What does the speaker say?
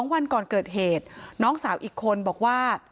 วันก่อนเกิดเหตุน้องสาวอีกคนบอกว่า